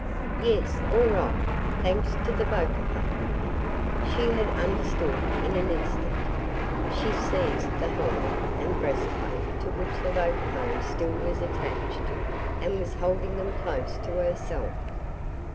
"Yes all right, thanks to the vocaphone." She had understood in an instant. She seized the helmet and breastplate to which the vocaphone still was attached and was holding them close to herself.